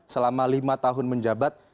selama lima tahun menjabat